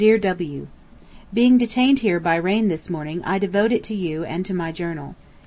. Being detained here by rain this morning I devote it to you and to my journal.